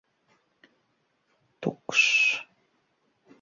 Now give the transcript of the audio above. Tukšs!